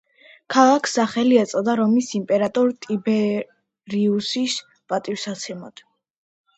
ქალაქს სახელი ეწოდა რომის იმპერატორ ტიბერიუსის პატივსაცემად.